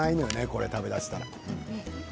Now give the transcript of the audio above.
これ、食べ始めたら。